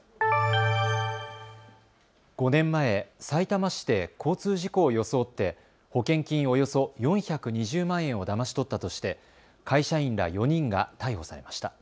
５年前、さいたま市で交通事故を装って保険金およそ４２０万円をだまし取ったとして会社員ら４人が逮捕されました。